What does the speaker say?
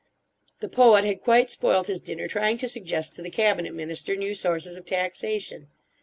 The poet had quite spoilt his dinner trying to suggest to the Cabinet Minister new sources of taxation.